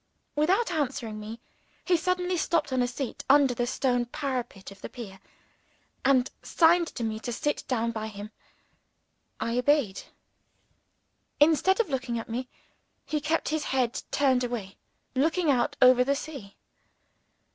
Without answering me, he suddenly stopped at a seat under the stone parapet of the pier, and signed to me to sit down by him. I obeyed. Instead of looking at me, he kept his head turned away; looking out over the sea.